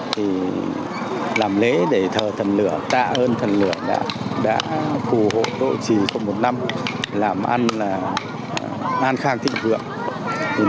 thì làm lễ để thờ thần lửa tạ ơn thần lửa đã phù hộ độ trì trong một năm làm ăn là an khang thịnh vượng